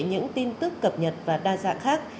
những tin tức cập nhật và đa dạng khác